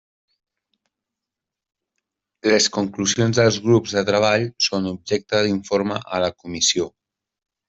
Les conclusions dels grups de treball són objecte d'informe a la Comissió.